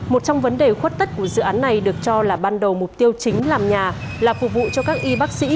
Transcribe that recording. một trong vấn đề khuất tất của dự án này được cho là ban đầu mục tiêu chính làm nhà là phục vụ cho các y bác sĩ